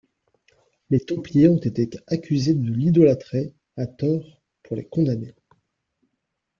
Les Templiers ont été accusés de l'idolâtrer, à tort, pour les condamner.